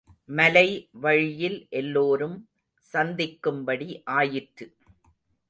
மலை வழியில் எல்லோரும் சந்திக்கும் படி ஆயிற்று.